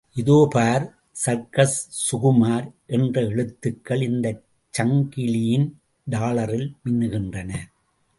இதோ பார் சர்க்கஸ் சுகுமார்! என்ற எழுத்துகள் இந்தச் சங்கிலியின் டாலரில் மின்னுகின்றன...!